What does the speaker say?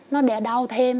nó đeo đau thêm